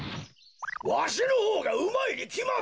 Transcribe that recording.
わしのほうがうまいにきまっとる！